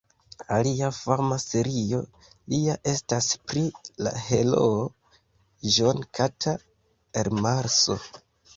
Alia fama serio lia estas pri la heroo John Carter el Marso.